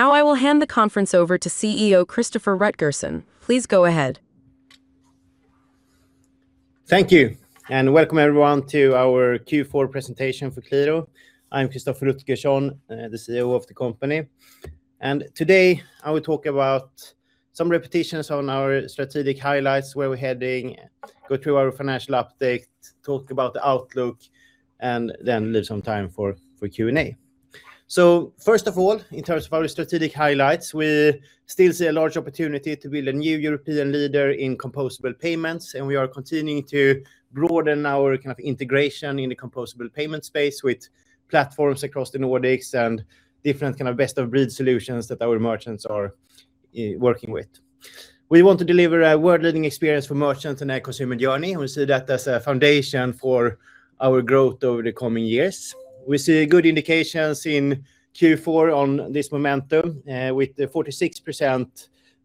Now I will hand the conference over to CEO, Christoffer Rutgersson. Please go ahead. Thank you, and welcome everyone to our Q4 presentation for Qliro. I'm Christoffer Rutgersson, the CEO of the company, and today I will talk about some repetitions on our strategic highlights, where we're heading, go through our financial update, talk about the outlook, and then leave some time for Q&A. So first of all, in terms of our strategic highlights, we still see a large opportunity to build a new European leader in composable payments, and we are continuing to broaden our kind of integration in the composable payment space with platforms across the Nordics and different kind of best-of-breed solutions that our merchants are working with. We want to deliver a world-leading experience for merchants and our consumer journey. We see that as a foundation for our growth over the coming years. We see good indications in Q4 on this momentum, with the 46%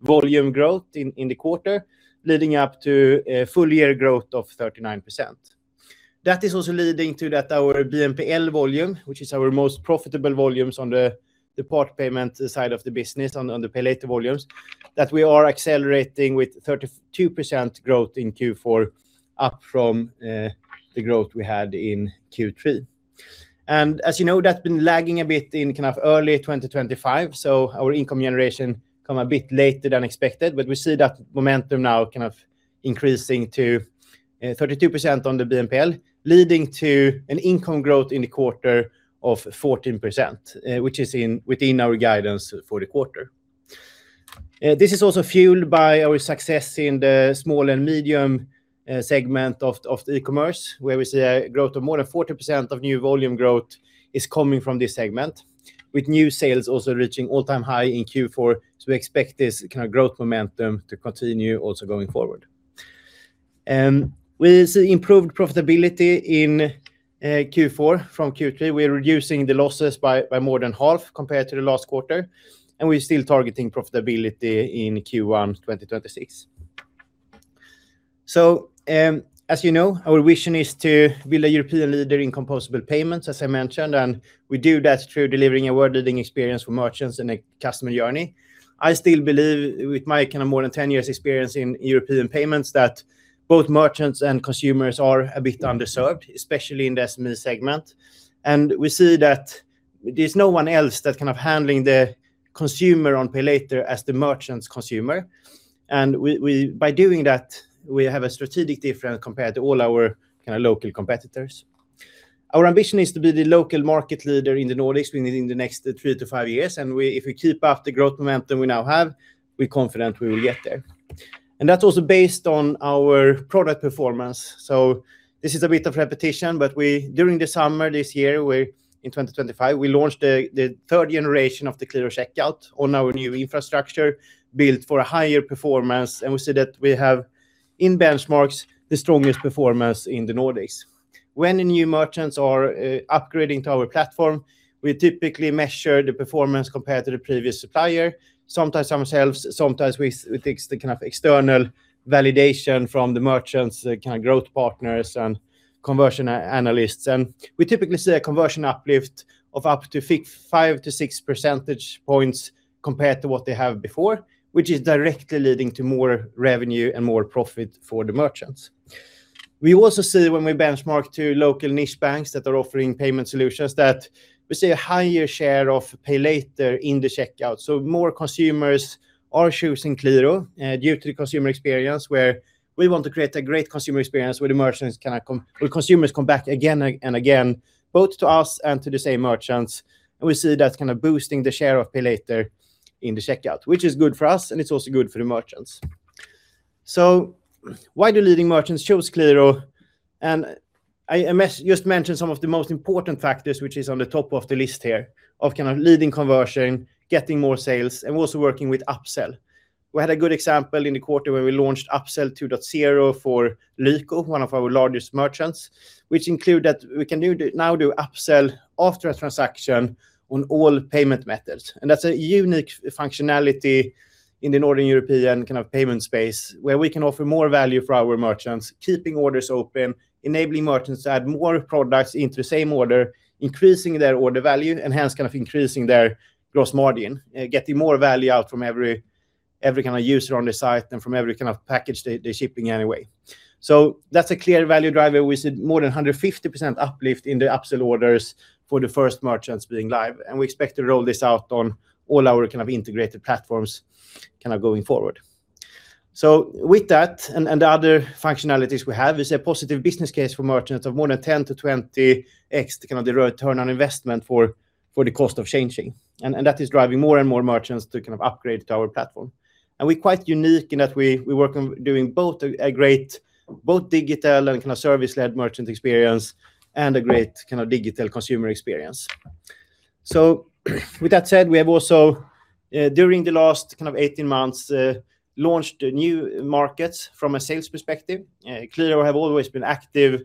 volume growth in the quarter, leading up to a full-year growth of 39%. That is also leading to that our BNPL volume, which is our most profitable volumes on the part payment side of the business, on the pay later volumes, that we are accelerating with 32% growth in Q4, up from the growth we had in Q3. And as you know, that's been lagging a bit in kind of early 2025, so our income generation come a bit later than expected. But we see that momentum now kind of increasing to 32% on the BNPL, leading to an income growth in the quarter of 14%, which is within our guidance for the quarter. This is also fueled by our success in the small and medium segment of e-commerce, where we see a growth of more than 40% of new volume growth is coming from this segment, with new sales also reaching all-time high in Q4. So we expect this kind of growth momentum to continue also going forward. We see improved profitability in Q4 from Q3. We're reducing the losses by more than half compared to the last quarter, and we're still targeting profitability in Q1 2026. So, as you know, our vision is to build a European leader in composable payments, as I mentioned, and we do that through delivering a world-leading experience for merchants in a customer journey. I still believe, with my kind of more than 10 years experience in European payments, that both merchants and consumers are a bit underserved, especially in the SME segment. And we see that there's no one else that's kind of handling the consumer on pay later as the merchant's consumer. And we by doing that, we have a strategic difference compared to all our kind of local competitors. Our ambition is to be the local market leader in the Nordics within the next three to five years, and we if we keep up the growth momentum we now have, we're confident we will get there. And that's also based on our product performance. So this is a bit of repetition, but we, during the summer, this year, we, in 2025, we launched the third generation of the Qliro Checkout on our new infrastructure, built for a higher performance. And we see that we have, in benchmarks, the strongest performance in the Nordics. When the new merchants are upgrading to our platform, we typically measure the performance compared to the previous supplier, sometimes ourselves, sometimes we, we take the kind of external validation from the merchants, kind of growth partners and conversion analysts. And we typically see a conversion uplift of up to 5-6 percentage points compared to what they have before, which is directly leading to more revenue and more profit for the merchants. We also see when we benchmark to local niche banks that are offering payment solutions, that we see a higher share of Pay Later in the Checkout. So more consumers are choosing Qliro due to the consumer experience, where we want to create a great consumer experience, where consumers come back again and again, both to us and to the same merchants. And we see that's kind of boosting the share of Pay Later in the checkout, which is good for us, and it's also good for the merchants. So why do leading merchants choose Qliro? And I just mentioned some of the most important factors, which is on the top of the list here, of kind of leading conversion, getting more sales, and also working with Upsell. We had a good example in the quarter where we launched Upsell 2.0 for Lyko, one of our largest merchants, which include that we can do the, now do upsell after a transaction on all payment methods. And that's a unique functionality in the Northern European kind of payment space, where we can offer more value for our merchants, keeping orders open, enabling merchants to add more products into the same order, increasing their order value, and hence, kind of increasing their gross margin, getting more value out from every kind of user on the site and from every kind of package they're shipping anyway. So that's a clear value driver. We see more than 150% uplift in the upsell orders for the first merchants being live, and we expect to roll this out on all our kind of integrated platforms kind of going forward. So with that, and, and the other functionalities we have, is a positive business case for merchants of more than 10x-20x, kind of the return on investment for, for the cost of changing. And, and that is driving more and more merchants to kind of upgrade to our platform. And we're quite unique in that we, we work on doing both a, a great, both digital and kind of service-led merchant experience and a great kind of digital consumer experience. So with that said, we have also, during the last kind of 18 months, launched new markets from a sales perspective. Qliro has always been active,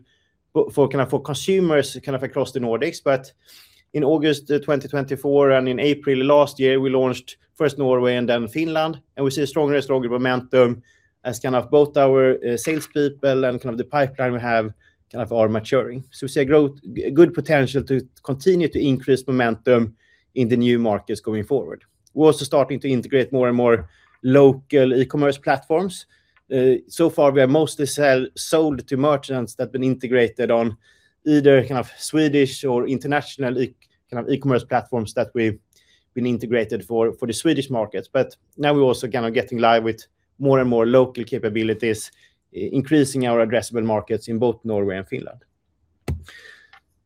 kind of, for consumers kind of across the Nordics, but in August of 2024 and in April last year, we launched first Norway and then Finland, and we see stronger and stronger momentum as kind of both our salespeople and kind of the pipeline we have kind of are maturing. So we see growth, a good potential to continue to increase momentum in the new markets going forward. We're also starting to integrate more and more local e-commerce platforms. So far, we are mostly sold to merchants that have been integrated on either kind of Swedish or international kind of e-commerce platforms that we've been integrated for the Swedish markets. But now we're also kind of getting live with more and more local capabilities, increasing our addressable markets in both Norway and Finland.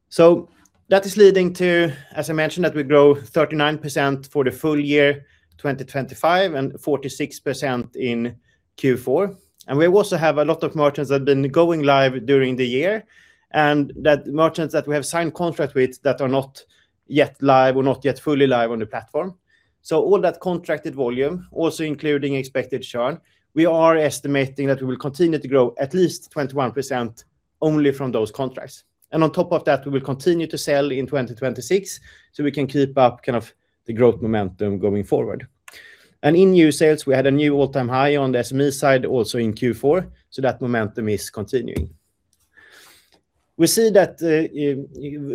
So that is leading to, as I mentioned, that we grow 39% for the full year 2025, and 46% in Q4. And we also have a lot of merchants that have been going live during the year, and that merchants that we have signed contract with that are not yet live or not yet fully live on the platform. So all that contracted volume, also including expected churn, we are estimating that we will continue to grow at least 21% only from those contracts. And on top of that, we will continue to sell in 2026, so we can keep up kind of the growth momentum going forward. And in new sales, we had a new all-time high on the SME side, also in Q4, so that momentum is continuing. We see that,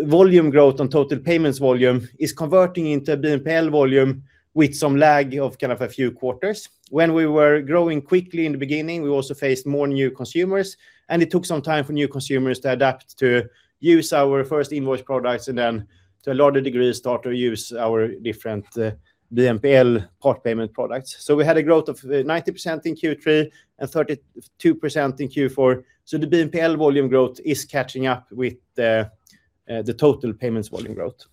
volume growth on total payments volume is converting into BNPL volume with some lag of kind of a few quarters. When we were growing quickly in the beginning, we also faced more new consumers, and it took some time for new consumers to adapt to use our first invoice products and then, to a larger degree, start to use our different, BNPL part payment products. So we had a growth of 90% in Q3 and 32% in Q4, so the BNPL volume growth is catching up with the, the total payments volume growth.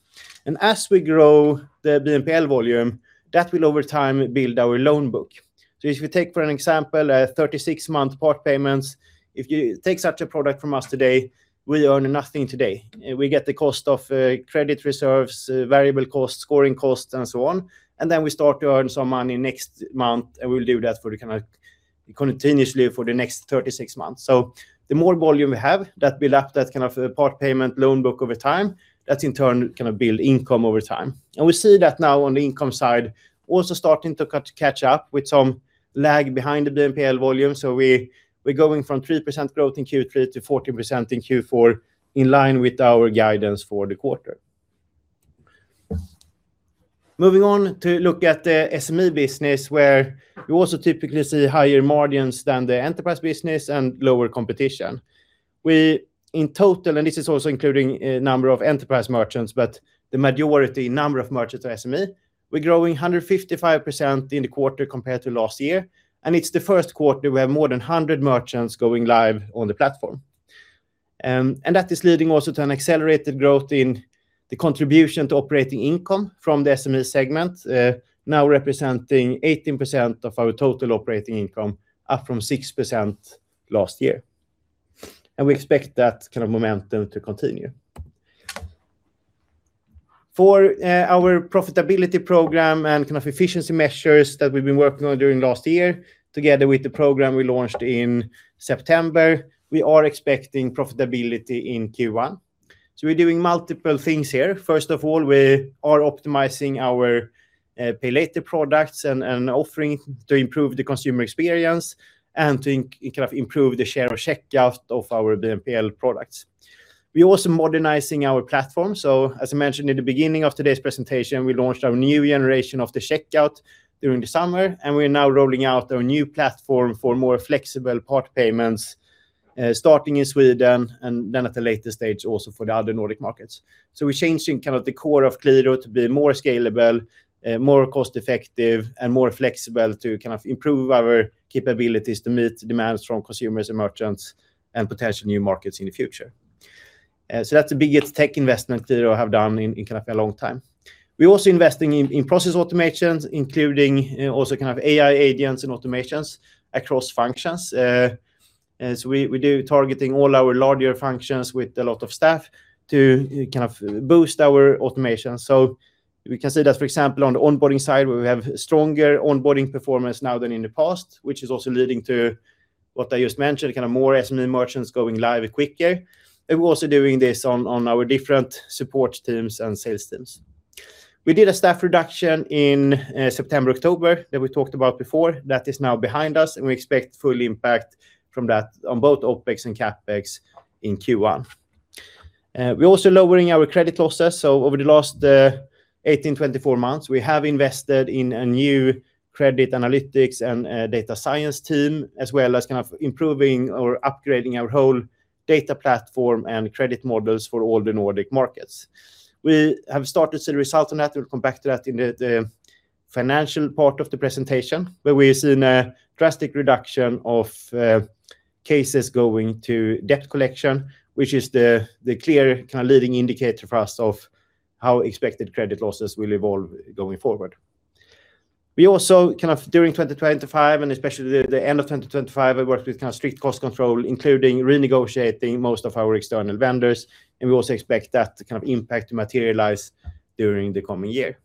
And as we grow the BNPL volume, that will, over time, build our loan book. So if you take, for an example, a 36-month part payments, if you take such a product from us today, we earn nothing today. We get the cost of credit reserves, variable costs, scoring costs, and so on, and then we start to earn some money next month, and we will do that kind of continuously for the next 36 months. So the more volume we have, that builds up that kind of part payment loan book over time, that in turn kind of builds income over time. And we see that now on the income side, also starting to catch up with some lag behind the BNPL volume. So we're going from 3% growth in Q3 to 14% in Q4, in line with our guidance for the quarter. Moving on to look at the SME business, where you also typically see higher margins than the enterprise business and lower competition. We, in total, and this is also including a number of enterprise merchants, but the majority number of merchants are SME. We're growing 155% in the quarter compared to last year, and it's the first quarter we have more than 100 merchants going live on the platform. That is leading also to an accelerated growth in the contribution to operating income from the SME segment, now representing 18% of our total operating income, up from 6% last year, and we expect that kind of momentum to continue. For our profitability program and kind of efficiency measures that we've been working on during last year, together with the program we launched in September, we are expecting profitability in Q1. We're doing multiple things here. First of all, we are optimizing our Pay Later products and offering to improve the consumer experience and to kind of improve the share of checkout of our BNPL products. We're also modernizing our platform, so as I mentioned in the beginning of today's presentation, we launched our new generation of the Checkout during the summer, and we're now rolling out our new platform for more flexible part payments, starting in Sweden and then at a later stage, also for the other Nordic markets. So we're changing kind of the core of Qliro to be more scalable, more cost-effective, and more flexible to kind of improve our capabilities to meet demands from consumers and merchants and potential new markets in the future. So that's the biggest tech investment Qliro has done in kind of a long time. We're also investing in process automations, including also kind of AI agents and automations across functions. As we do targeting all our larger functions with a lot of staff to kind of boost our automation. So we can see that, for example, on the onboarding side, where we have stronger onboarding performance now than in the past, which is also leading to what I just mentioned, kind of more SME merchants going live quicker. And we're also doing this on our different support teams and sales teams. We did a staff reduction in September, October, that we talked about before. That is now behind us, and we expect full impact from that on both OpEx and CapEx in Q1. We're also lowering our credit losses, so over the last 18-24 months, we have invested in a new credit analytics and data science team, as well as kind of improving or upgrading our whole data platform and credit models for all the Nordic markets. We have started to see the results on that. We'll come back to that in the financial part of the presentation, but we've seen a drastic reduction of cases going to debt collection, which is the clear kind of leading indicator for us of how expected credit losses will evolve going forward. We also, kind of during 2025, and especially the end of 2025, I worked with kind of strict cost control, including renegotiating most of our external vendors, and we also expect that kind of impact to materialize during the coming year.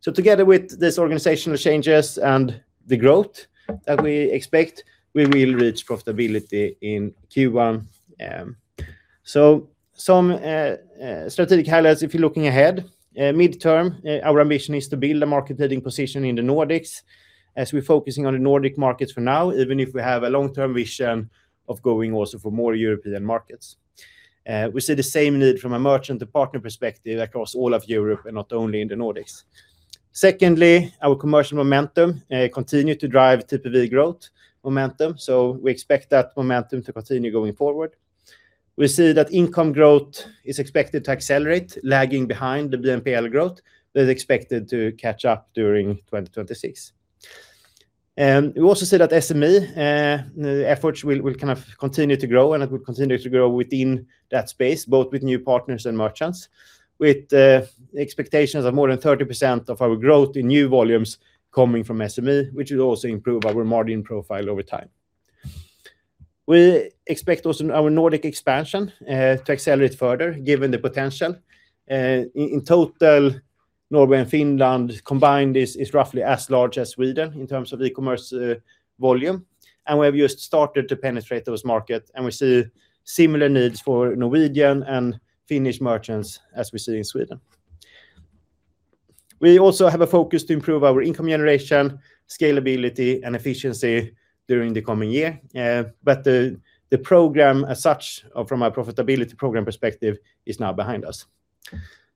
So together with this organizational changes and the growth that we expect, we will reach profitability in Q1. So some strategic highlights, if you're looking ahead, midterm, our ambition is to build a market-leading position in the Nordics as we're focusing on the Nordic markets for now, even if we have a long-term vision of going also for more European markets. We see the same need from a merchant and partner perspective across all of Europe, and not only in the Nordics. Secondly, our commercial momentum continued to drive TPV growth momentum, so we expect that momentum to continue going forward. We see that income growth is expected to accelerate, lagging behind the BNPL growth, but is expected to catch up during 2026. We also see that SME, the efforts will kind of continue to grow, and it will continue to grow within that space, both with new partners and merchants, with expectations of more than 30% of our growth in new volumes coming from SME, which will also improve our margin profile over time. We expect also our Nordic expansion to accelerate further, given the potential. In total, Norway and Finland combined is roughly as large as Sweden in terms of e-commerce volume, and we have just started to penetrate those markets, and we see similar needs for Norwegian and Finnish merchants as we see in Sweden. We also have a focus to improve our income generation, scalability, and efficiency during the coming year. The program as such, from a profitability program perspective, is now behind us.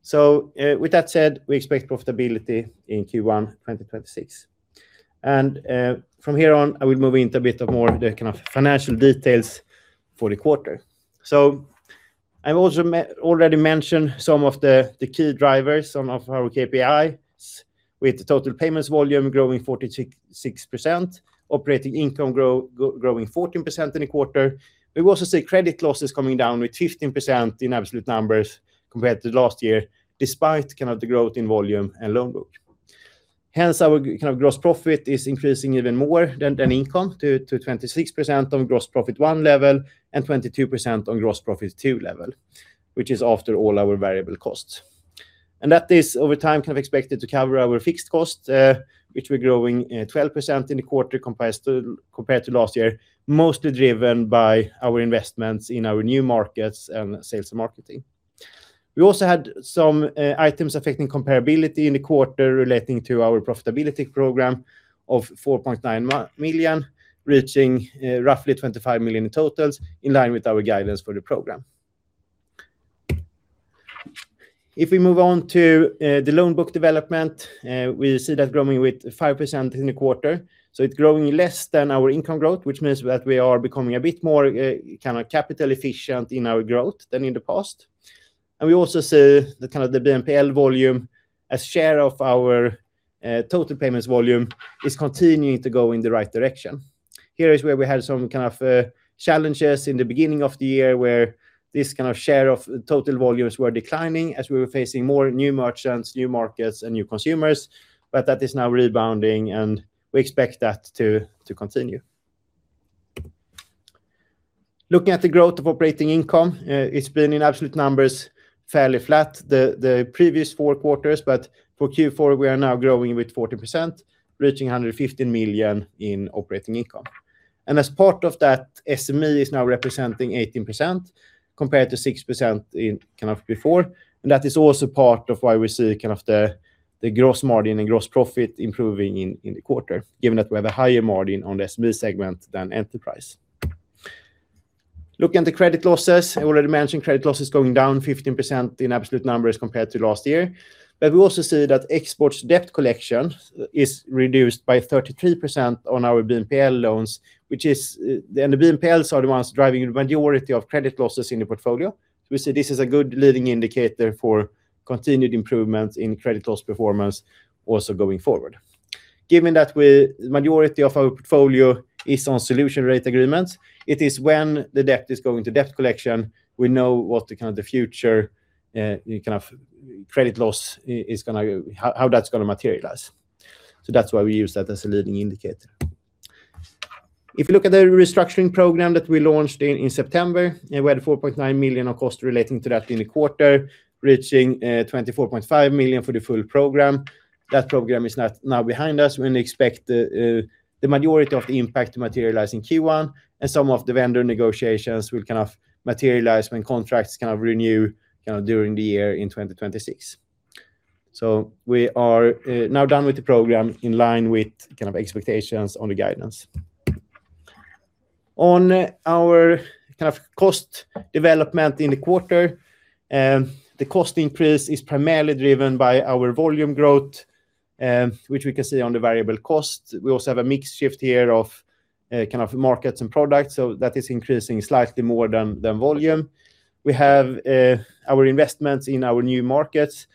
So, with that said, we expect profitability in Q1 2026. And, from here on, I will move into a bit more of the kind of financial details for the quarter. So I've also already mentioned some of the key drivers, some of our KPIs, with the total payment volume growing 46%, operating income growing 14% in the quarter. We also see credit losses coming down 15% in absolute numbers compared to last year, despite the growth in volume and loan book. Hence, our gross profit is increasing even more than income, 26% on GP1 level and 22% on GP2 level, which is after all our variable costs. That is over time, kind of expected to cover our fixed costs, which were growing 12% in the quarter compared to last year, mostly driven by our investments in our new markets and sales and marketing. We also had some items affecting comparability in the quarter relating to our profitability program of 4.9 million, reaching roughly 25 million in total, in line with our guidance for the program. If we move on to the loan book development, we see that growing with 5% in the quarter, so it's growing less than our income growth, which means that we are becoming a bit more kind of capital efficient in our growth than in the past. We also see the kind of BNPL volume as share of our total payments volume is continuing to go in the right direction. Here is where we had some kind of challenges in the beginning of the year, where this kind of share of total volumes were declining as we were facing more new merchants, new markets, and new consumers, but that is now rebounding, and we expect that to continue. Looking at the growth of operating income, it's been, in absolute numbers, fairly flat the previous four quarters, but for Q4, we are now growing with 14%, reaching 115 million in operating income. As part of that, SME is now representing 18%, compared to 6% in kind of before. That is also part of why we see kind of the gross margin and gross profit improving in the quarter, given that we have a higher margin on the SME segment than enterprise. Looking at the credit losses, I already mentioned credit losses going down 15% in absolute numbers compared to last year. But we also see that our debt collection is reduced by 33% on our BNPL loans, which is, and the BNPLs are the ones driving the majority of credit losses in the portfolio. We see this as a good leading indicator for continued improvement in credit loss performance also going forward. Given that we, majority of our portfolio is on solution rate agreements, it is when the debt is going to debt collection, we know what the kind of the future, kind of credit loss is gonna go, how that's gonna materialize. So that's why we use that as a leading indicator. If you look at the restructuring program that we launched in September, we had 4.9 million of cost relating to that in the quarter, reaching 24.5 million for the full program. That program is now behind us. We expect the majority of the impact to materialize in Q1, and some of the vendor negotiations will kind of materialize when contracts kind of renew, kind of during the year in 2026. So we are now done with the program, in line with kind of expectations on the guidance. On our kind of cost development in the quarter, the cost increase is primarily driven by our volume growth, which we can see on the variable cost. We also have a mix shift here of kind of markets and products, so that is increasing slightly more than volume. We have our investments in our new markets,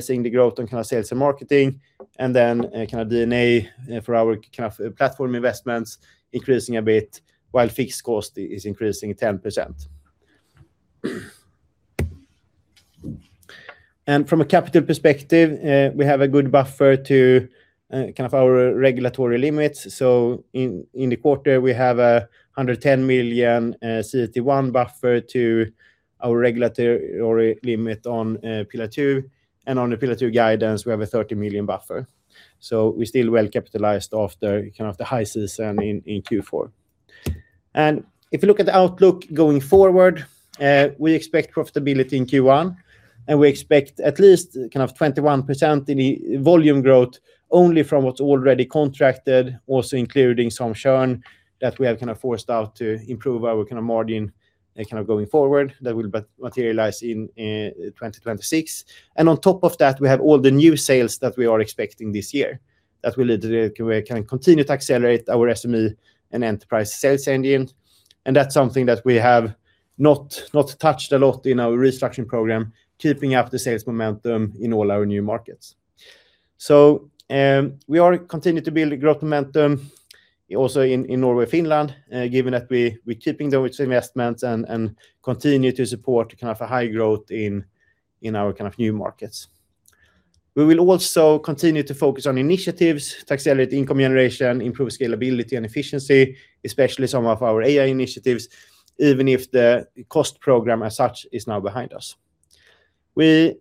seeing the growth on kind of sales and marketing, and then kind of R&D for our kind of platform investments increasing a bit, while fixed cost is increasing 10%. And from a capital perspective, we have a good buffer to kind of our regulatory limits. So in the quarter, we have 110 million CET1 buffer to our regulatory limit on Pillar 2, and on the Pillar 2 guidance, we have a 30 million buffer. So we're still well-capitalized after kind of the high season in Q4. And if you look at the outlook going forward, we expect profitability in Q1, and we expect at least kind of 21% in the volume growth, only from what's already contracted, also including some churn that we have kind of forced out to improve our kind of margin and kind of going forward, that will but materialize in 2026. And on top of that, we have all the new sales that we are expecting this year, that will lead to we can continue to accelerate our SME and enterprise sales engine. That's something that we have not touched a lot in our restructuring program, keeping up the sales momentum in all our new markets. So, we are continuing to build growth momentum also in Norway, Finland, given that we're keeping those investments and continue to support kind of a high growth in our kind of new markets. We will also continue to focus on initiatives to accelerate income generation, improve scalability and efficiency, especially some of our AI initiatives, even if the cost program as such is now behind us. We'll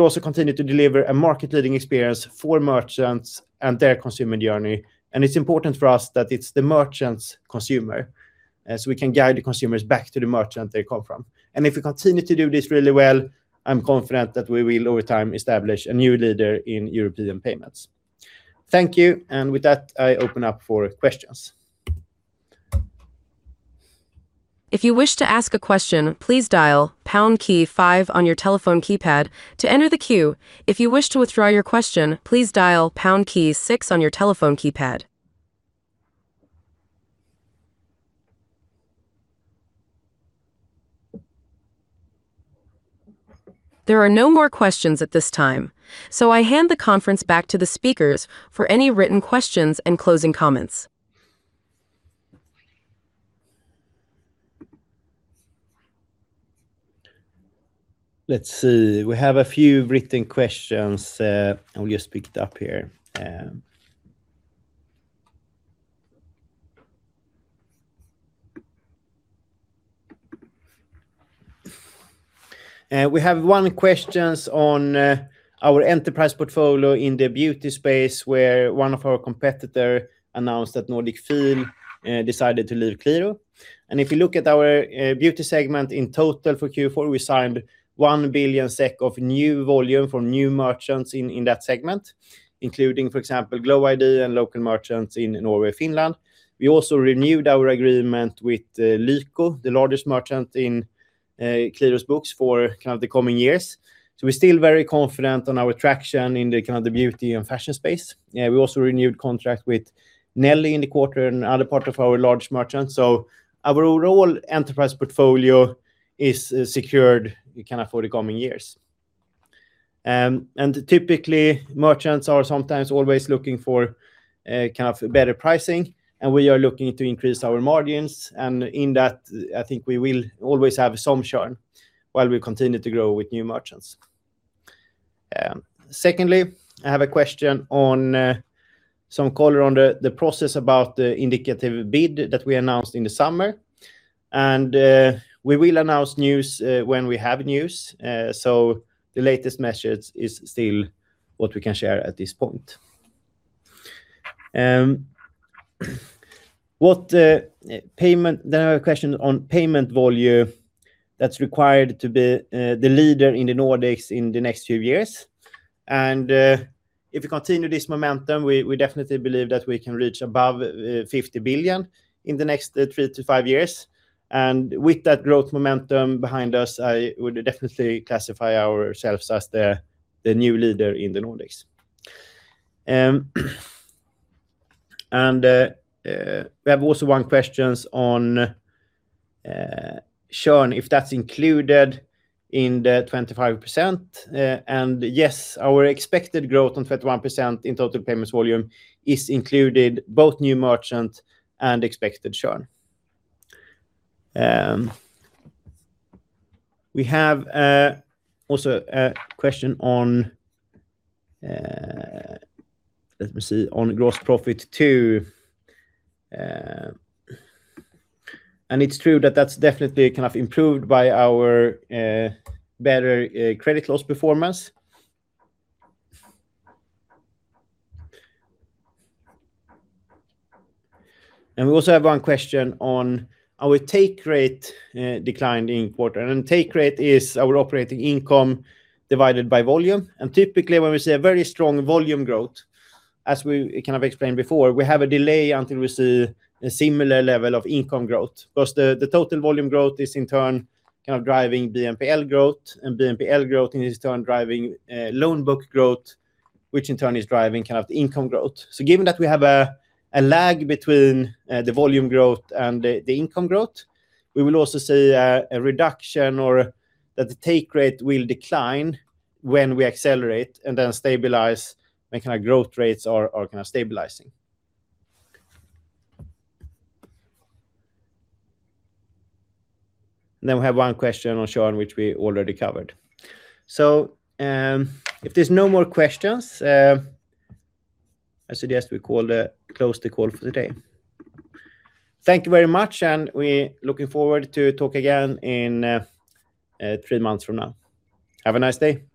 also continue to deliver a market-leading experience for merchants and their consumer journey, and it's important for us that it's the merchant's consumer, as we can guide the consumers back to the merchant they come from. If we continue to do this really well, I'm confident that we will, over time, establish a new leader in European payments. Thank you, and with that, I open up for questions. If you wish to ask a question, please dial pound key five on your telephone keypad to enter the queue. If you wish to withdraw your question, please dial pound key six on your telephone keypad. There are no more questions at this time, so I hand the conference back to the speakers for any written questions and closing comments. Let's see. We have a few written questions, and we'll just pick it up here. We have one question on our enterprise portfolio in the beauty space, where one of our competitors announced that Nordicfeel decided to leave Klarna. If you look at our beauty segment in total for Q4, we signed 1 billion SEK of new volume from new merchants in that segment, including, for example, GLOWiD and local merchants in Norway, Finland. We also renewed our agreement with Lyko, the largest merchant in Qliro's books for kind of the coming years. So we're still very confident on our traction in the kind of the beauty and fashion space. Yeah, we also renewed contract with Nelly in the quarter and other part of our large merchants. So our overall enterprise portfolio is secured kind of for the coming years. And typically, merchants are sometimes always looking for kind of better pricing, and we are looking to increase our margins, and in that, I think we will always have some churn while we continue to grow with new merchants. Secondly, I have a question on some color on the process about the indicative bid that we announced in the summer, and we will announce news when we have news. So the latest message is still what we can share at this point. What payment—then I have a question on payment volume that's required to be the leader in the Nordics in the next few years. If you continue this momentum, we definitely believe that we can reach above 50 billion in the next three to five years, and with that growth momentum behind us, I would definitely classify ourselves as the new leader in the Nordics. We have also one question on churn, if that's included in the 25%. Yes, our expected growth on 31% in total payments volume is included, both new merchant and expected churn. We have also a question on gross profit, too. It's true that that's definitely kind of improved by our better credit loss performance. We also have one question on our take rate decline in quarter. Take rate is our operating income divided by volume. Typically, when we see a very strong volume growth, as we kind of explained before, we have a delay until we see a similar level of income growth. Plus, the total volume growth is, in turn, kind of driving BNPL growth, and BNPL growth is, in turn, driving loan book growth, which in turn is driving kind of the income growth. So given that we have a lag between the volume growth and the income growth, we will also see a reduction or that the take rate will decline when we accelerate, and then stabilize when kind of growth rates are kind of stabilizing. Then we have one question on churn, which we already covered. So, if there's no more questions, I suggest we close the call for today. Thank you very much, and we're looking forward to talk again in three months from now. Have a nice day!